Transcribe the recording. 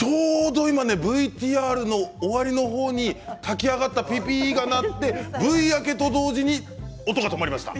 ＶＴＲの終わりの方に炊き上がった、ピーピーが鳴ってＶ明けと同時に音が止まりました。